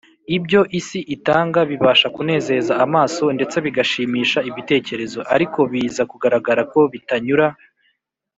. Ibyo isi itanga bibasha kunezeza amaso ndetse bigashimisha ibitekerezo, ariko biza kugaragara ko bitanyura